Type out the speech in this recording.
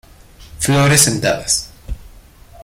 Flores sentadas.